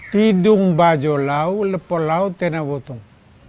tidung bajo lau lepo lau tena wutung